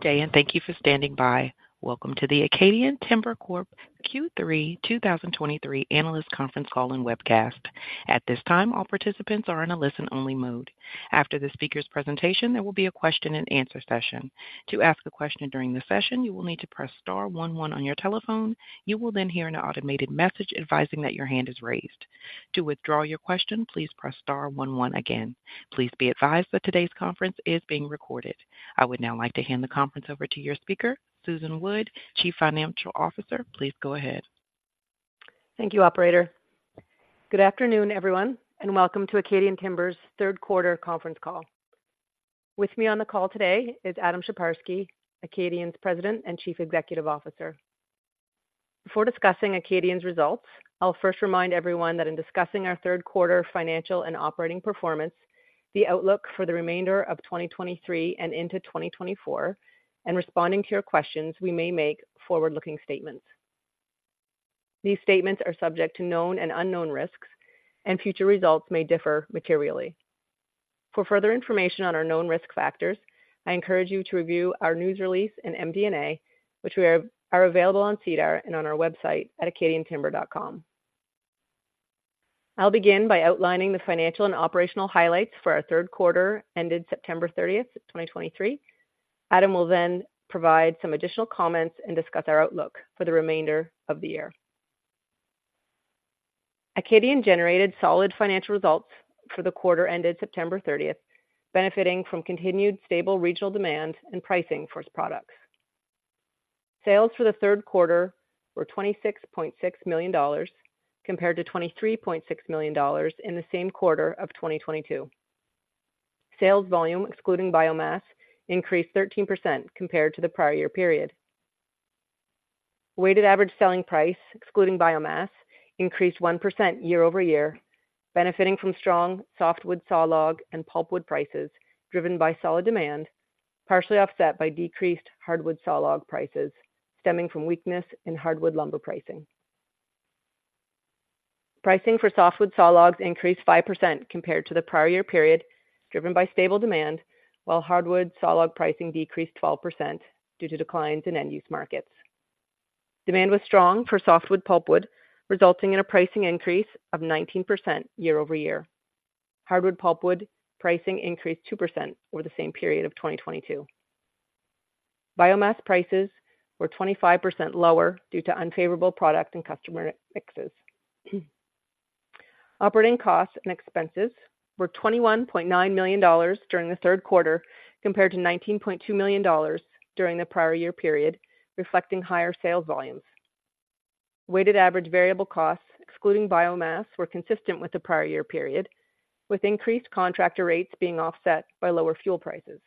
Good day, and thank you for standing by. Welcome to the Acadian Timber Corp. Q3 2023 Analyst Conference Call and Webcast. At this time, all participants are in a listen-only mode. After the speaker's presentation, there will be a Q&A session. To ask a question during the session, you will need to press star one one on your telephone. You will then hear an automated message advising that your hand is raised. To withdraw your question, please press star one one again. Please be advised that today's conference is being recorded. I would now like to hand the conference over to your speaker, Susan Wood, Chief Financial Officer. Please go ahead. Thank you, operator. Good afternoon, everyone, and welcome to Acadian Timber's Q3 conference call. With me on the call today is Adam Sheparski, Acadian's President and Chief Executive Officer. Before discussing Acadian's results, I'll first remind everyone that in discussing our Q3 financial and operating performance, the outlook for the remainder of 2023 and into 2024, and responding to your questions, we may make forward-looking statements. These statements are subject to known and unknown risks, and future results may differ materially. For further information on our known risk factors, I encourage you to review our news release and MD&A, which are available on SEDAR and on our website at acadiantimber.com. I'll begin by outlining the financial and operational highlights for our Q3 ended September 30, 2023. Adam will then provide some additional comments and discuss our outlook for the remainder of the year. Acadian generated solid financial results for the quarter ended September 30th, benefiting from continued stable regional demand and pricing for its products. Sales for the Q3 were $26.6 million, compared to $23.6 million in the same quarter of 2022. Sales volume, excluding biomass, increased 13% compared to the prior year period. Weighted average selling price, excluding biomass, increased 1% year-over-year, benefiting from strong softwood sawlog and pulpwood prices, driven by solid demand, partially offset by decreased hardwood sawlog prices, stemming from weakness in hardwood lumber pricing. Pricing for softwood sawlogs increased 5% compared to the prior year period, driven by stable demand, while hardwood sawlog pricing decreased 12% due to declines in end-use markets. Demand was strong for softwood pulpwood, resulting in a pricing increase of 19% year-over-year. Hardwood pulpwood pricing increased 2% over the same period of 2022. Biomass prices were 25% lower due to unfavorable product and customer mixes. Operating costs and expenses were $21.9 million during the Q3, compared to $19.2 million during the prior year period, reflecting higher sales volumes. Weighted average variable costs, excluding biomass, were consistent with the prior year period, with increased contractor rates being offset by lower fuel prices.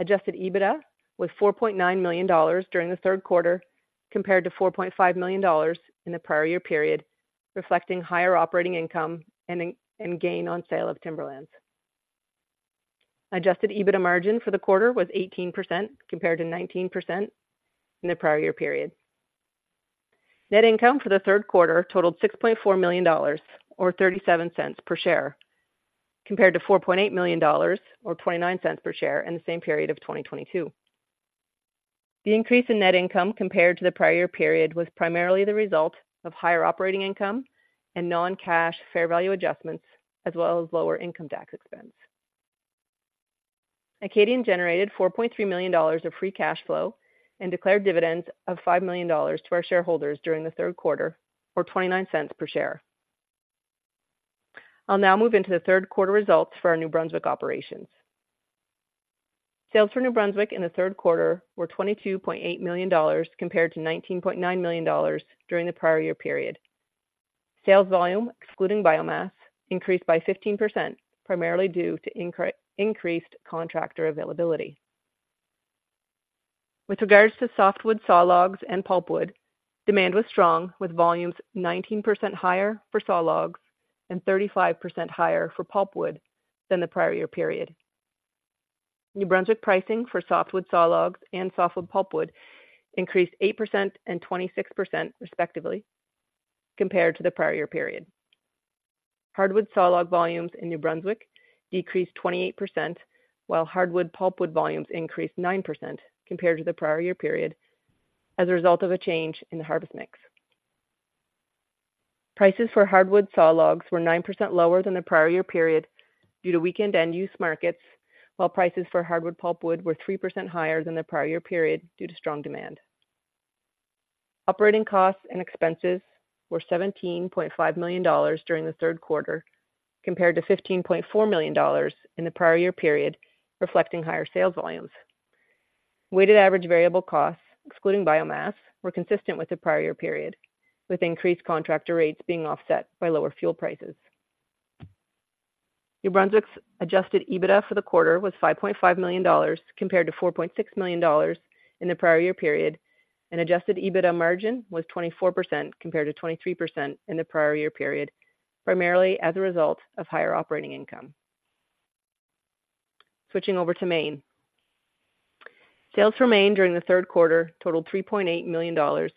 Adjusted EBITDA was $4.9 million during the Q3, compared to $4.5 million in the prior year period, reflecting higher operating income and gain on sale of timberlands. Adjusted EBITDA margin for the quarter was 18%, compared to 19% in the prior year period. Net income for the Q3 totaled 6.4 million dollars, or 0.37 per share, compared to 4.8 million dollars, or 0.29 per share in the same period of 2022. The increase in net income compared to the prior year period was primarily the result of higher operating income and non-cash fair value adjustments, as well as lower income tax expense. Acadian generated 4.3 million dollars of free cash flow and declared dividends of 5 million dollars to our shareholders during the Q3, or 0.29 per share. I'll now move into the Q3 results for our New Brunswick operations. Sales for New Brunswick in the Q3 were 22.8 million dollars, compared to 19.9 million dollars during the prior year period. Sales volume, excluding biomass, increased by 15%, primarily due to increased contractor availability. With regards to softwood sawlogs and pulpwood, demand was strong, with volumes 19% higher for sawlogs and 35% higher for pulpwood than the prior year period. New Brunswick pricing for softwood sawlogs and softwood pulpwood increased 8% and 26%, respectively, compared to the prior year period. Hardwood sawlogs volumes in New Brunswick decreased 28%, while hardwood pulpwood volumes increased 9% compared to the prior year period as a result of a change in the harvest mix. Prices for hardwood sawlogs were 9% lower than the prior year period due to weakened end-use markets, while prices for hardwood pulpwood were 3% higher than the prior year period due to strong demand. Operating costs and expenses were $17.5 million during the Q3, compared to $15.4 million in the prior year period, reflecting higher sales volumes. Weighted average variable costs, excluding biomass, were consistent with the prior year period, with increased contractor rates being offset by lower fuel prices. New Brunswick's Adjusted EBITDA for the quarter was $5.5 million, compared to $4.6 million in the prior year period, and Adjusted EBITDA margin was 24%, compared to 23% in the prior year period, primarily as a result of higher operating income. Switching over to Maine. Sales for Maine during the Q3 totaled $3.8 million,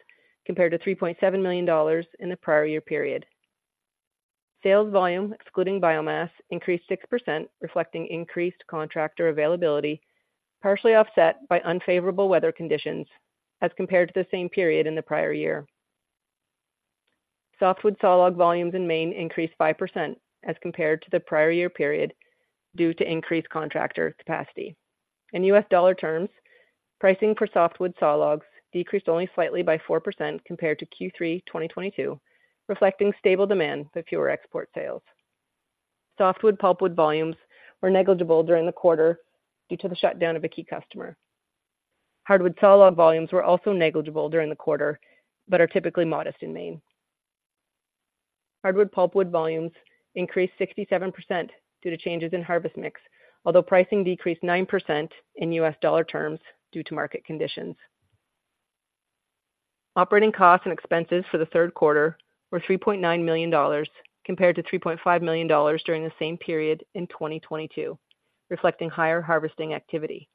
compared to $3.7 million in the prior year period... Sales volume, excluding biomass, increased 6%, reflecting increased contractor availability, partially offset by unfavorable weather conditions as compared to the same period in the prior year. Softwood sawlog volumes in Maine increased 5% as compared to the prior year period, due to increased contractor capacity. In US dollar terms, pricing for softwood sawlogs decreased only slightly by 4% compared to Q3 2022, reflecting stable demand but fewer export sales. Softwood pulpwood volumes were negligible during the quarter due to the shutdown of a key customer. Hardwood sawlog volumes were also negligible during the quarter, but are typically modest in Maine. Hardwood pulpwood volumes increased 67% due to changes in harvest mix, although pricing decreased 9% in US dollar terms due to market conditions. Operating costs and expenses for the Q3 were $3.9 million, compared to $3.5 million during the same period in 2022, reflecting higher harvesting activity.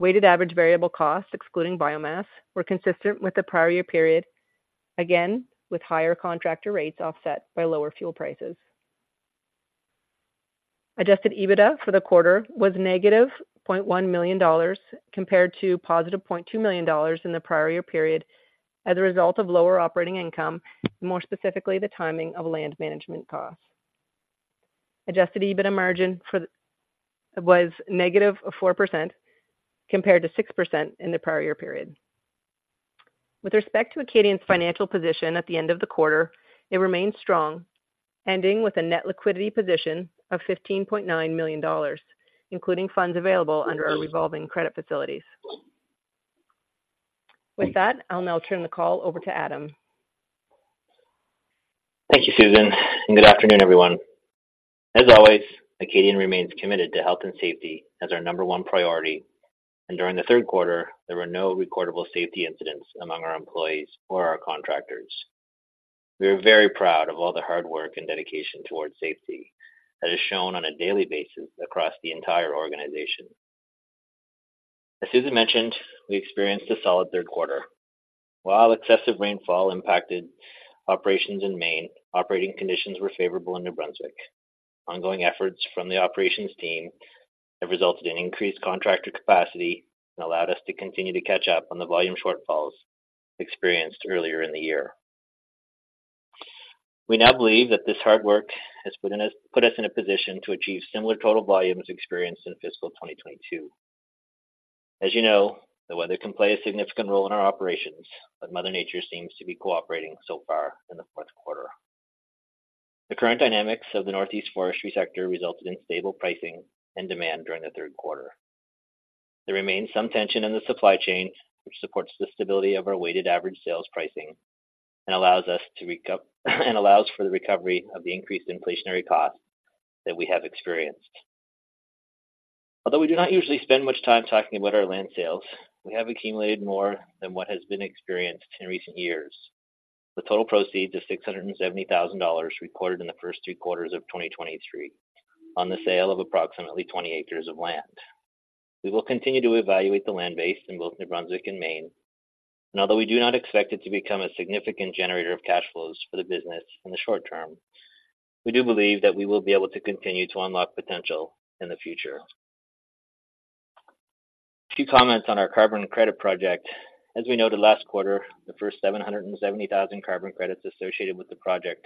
Weighted average variable costs, excluding biomass, were consistent with the prior year period, again, with higher contractor rates offset by lower fuel prices. Adjusted EBITDA for the quarter was -$0.1 million, compared to $0.2 million in the prior year period, as a result of lower operating income, more specifically, the timing of land management costs. Adjusted EBITDA margin was negative 4%, compared to 6% in the prior year period. With respect to Acadian's financial position at the end of the quarter, it remained strong, ending with a net liquidity position of $15.9 million, including funds available under our revolving credit facilities. With that, I'll now turn the call over to Adam. Thank you, Susan, and good afternoon, everyone. As always, Acadian remains committed to health and safety as our number one priority, and during the Q3, there were no recordable safety incidents among our employees or our contractors. We are very proud of all the hard work and dedication towards safety that is shown on a daily basis across the entire organization. As Susan mentioned, we experienced a solid Q3. While excessive rainfall impacted operations in Maine, operating conditions were favorable in New Brunswick. Ongoing efforts from the operations team have resulted in increased contractor capacity and allowed us to continue to catch up on the volume shortfalls experienced earlier in the year. We now believe that this hard work has put us in a position to achieve similar total volumes experienced in fiscal 2022. As you know, the weather can play a significant role in our operations, but Mother Nature seems to be cooperating so far in the Q4. The current dynamics of the Northeast forestry sector resulted in stable pricing and demand during the Q3. There remains some tension in the supply chain, which supports the stability of our weighted average sales pricing and allows us to recoup and allows for the recovery of the increased inflationary costs that we have experienced. Although we do not usually spend much time talking about our land sales, we have accumulated more than what has been experienced in recent years, with total proceeds of $670,000 recorded in the first three quarters of 2023 on the sale of approximately 20 acres of land. We will continue to evaluate the land base in both New Brunswick and Maine, and although we do not expect it to become a significant generator of cash flows for the business in the short term, we do believe that we will be able to continue to unlock potential in the future. A few comments on our carbon credit project. As we noted last quarter, the first 770,000 carbon credits associated with the project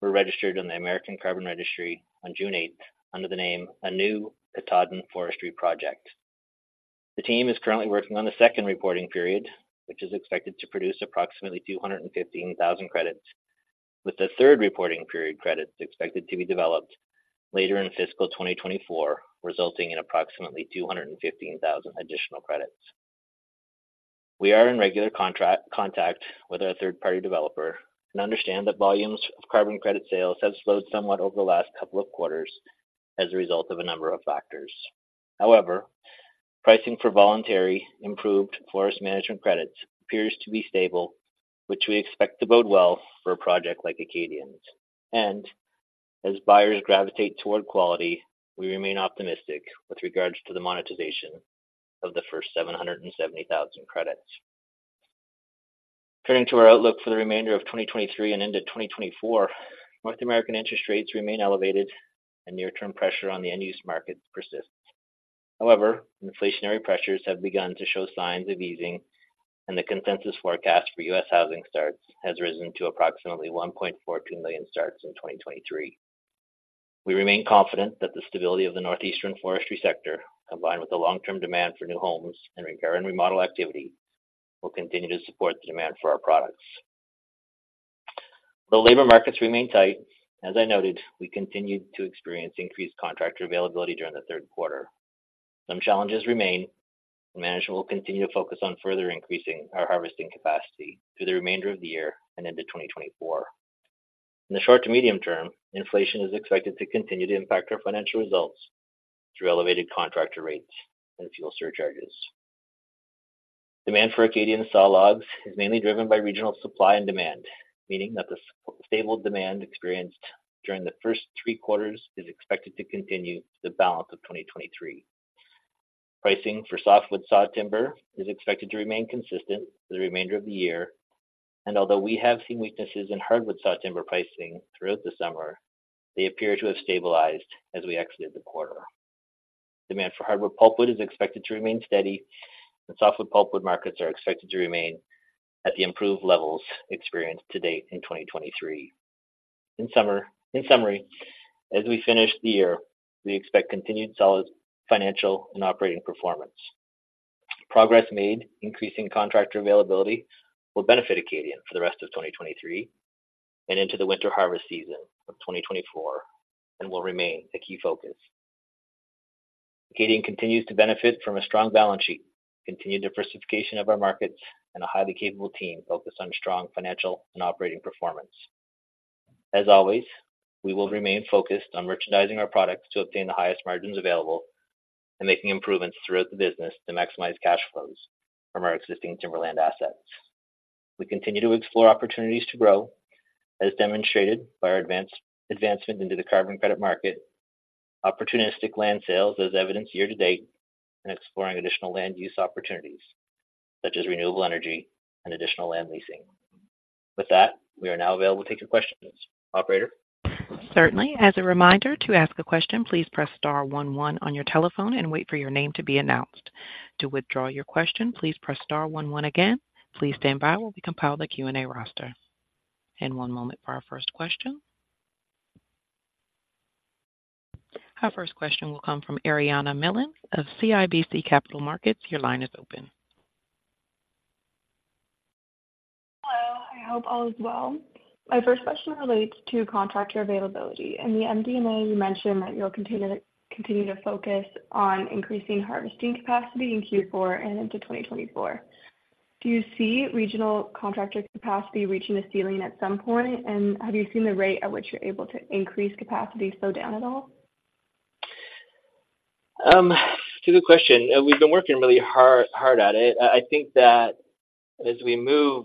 were registered on the American Carbon Registry on June 8, under the name Anew Katahdin Forestry Project. The team is currently working on the second reporting period, which is expected to produce approximately 215,000 credits, with the third reporting period credits expected to be developed later in fiscal 2024, resulting in approximately 215,000 additional credits. We are in regular contact with our third-party developer and understand that volumes of carbon credit sales have slowed somewhat over the last couple of quarters as a result of a number of factors. However, pricing for voluntary improved forest management credits appears to be stable, which we expect to bode well for a project like Acadian's. As buyers gravitate toward quality, we remain optimistic with regards to the monetization of the first 770,000 credits. Turning to our outlook for the remainder of 2023 and into 2024, North American interest rates remain elevated, and near-term pressure on the end-use market persists. However, inflationary pressures have begun to show signs of easing, and the consensus forecast for U.S. housing starts has risen to approximately 1.14 million starts in 2023. We remain confident that the stability of the northeastern forestry sector, combined with the long-term demand for new homes and repair and remodel activity, will continue to support the demand for our products. The labor markets remain tight. As I noted, we continued to experience increased contractor availability during the Q3. Some challenges remain, and management will continue to focus on further increasing our harvesting capacity through the remainder of the year and into 2024. In the short to medium term, inflation is expected to continue to impact our financial results through elevated contractor rates and fuel surcharges. Demand for Acadian sawlogs is mainly driven by regional supply and demand, meaning that the stable demand experienced during the first three quarters is expected to continue the balance of 2023.... Pricing for softwood sawlogs is expected to remain consistent for the remainder of the year, and although we have seen weaknesses in hardwood sawlogs pricing throughout the summer, they appear to have stabilized as we exited the quarter. Demand for hardwood pulpwood is expected to remain steady, and softwood pulpwood markets are expected to remain at the improved levels experienced to date in 2023. In summary, as we finish the year, we expect continued solid financial and operating performance. Progress made increasing contractor availability will benefit Acadian for the rest of 2023 and into the winter harvest season of 2024 and will remain a key focus. Acadian continues to benefit from a strong balance sheet, continued diversification of our markets, and a highly capable team focused on strong financial and operating performance. As always, we will remain focused on merchandising our products to obtain the highest margins available and making improvements throughout the business to maximize cash flows from our existing timberland assets. We continue to explore opportunities to grow, as demonstrated by our advancement into the carbon credit market, opportunistic land sales as evidenced year to date, and exploring additional land use opportunities such as renewable energy and additional land leasing. With that, we are now available to take your questions. Operator? Certainly. As a reminder, to ask a question, please press star one one on your telephone and wait for your name to be announced. To withdraw your question, please press star one one again. Please stand by while we compile the Q&A roster. And one moment for our first question. Our first question will come from Ariana Milin of CIBC Capital Markets. Your line is open. Hello, I hope all is well. My first question relates to contractor availability. In the MD&A, you mentioned that you'll continue to focus on increasing harvesting capacity in Q4 and into 2024. Do you see regional contractor capacity reaching a ceiling at some point? And have you seen the rate at which you're able to increase capacity slow down at all? It's a good question, and we've been working really hard, hard at it. I think that as we move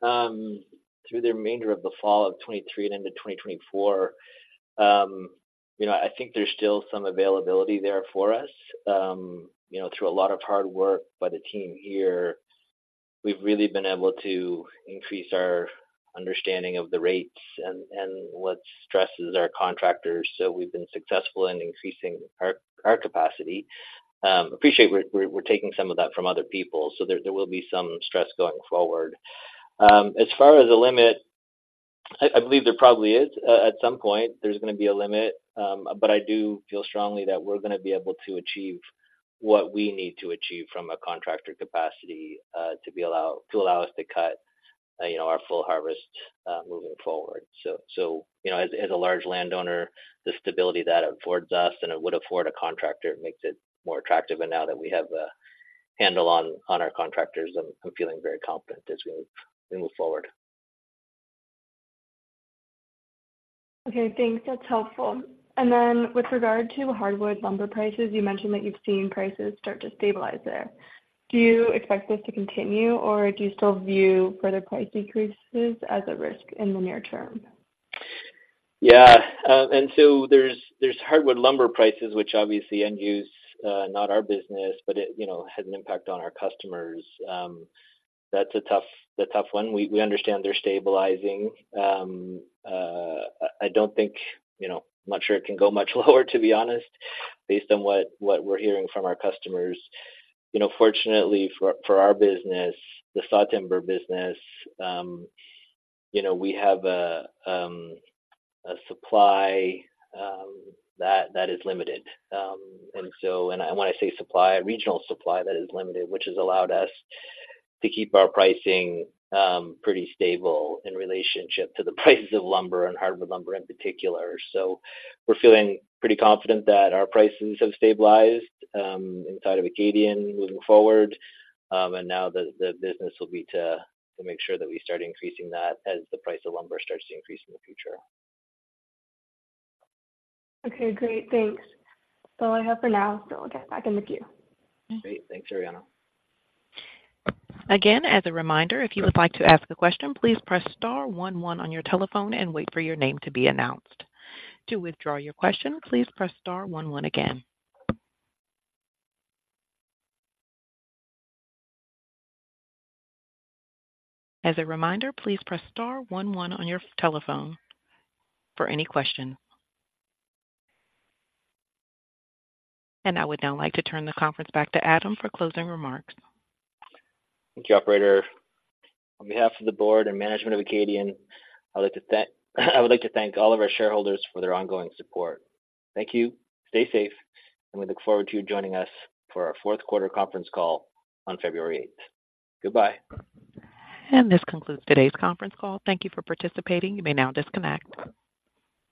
through the remainder of the fall of 2023 and into 2024, you know, I think there's still some availability there for us. You know, through a lot of hard work by the team here, we've really been able to increase our understanding of the rates and what stresses our contractors. So we've been successful in increasing our capacity. I appreciate we're taking some of that from other people, so there will be some stress going forward. As far as a limit, I believe there probably is. At some point there's going to be a limit, but I do feel strongly that we're going to be able to achieve what we need to achieve from a contractor capacity, to be allowed—to allow us to cut, you know, our full harvest, moving forward. So, you know, as a large landowner, the stability that affords us and it would afford a contractor makes it more attractive. And now that we have a handle on our contractors, I'm feeling very confident as we move forward. Okay, thanks. That's helpful. And then with regard to hardwood lumber prices, you mentioned that you've seen prices start to stabilize there. Do you expect this to continue, or do you still view further price decreases as a risk in the near term? Yeah, and so there's hardwood lumber prices, which obviously end use, not our business, but it, you know, has an impact on our customers. That's a tough one. We understand they're stabilizing. I don't think, you know, I'm not sure it can go much lower, to be honest, based on what we're hearing from our customers. You know, fortunately for our business, the saw timber business, you know, we have a supply that is limited. And so, when I say supply, regional supply that is limited, which has allowed us to keep our pricing pretty stable in relationship to the prices of lumber and hardwood lumber in particular. So we're feeling pretty confident that our prices have stabilized inside of Acadian moving forward. And now the business will be to make sure that we start increasing that as the price of lumber starts to increase in the future. Okay, great. Thanks. That's all I have for now, but we'll get back in the queue. Great. Thanks, Ariana. Again, as a reminder, if you would like to ask a question, please press star one one on your telephone and wait for your name to be announced. To withdraw your question, please press star one one again. As a reminder, please press star one one on your telephone for any questions. I would now like to turn the conference back to Adam for closing remarks. Thank you, operator. On behalf of the board and management of Acadian, I would like to thank all of our shareholders for their ongoing support. Thank you, stay safe, and we look forward to you joining us for our Q4 conference call on February 8th. Goodbye. This concludes today's conference call. Thank you for participating. You may now disconnect.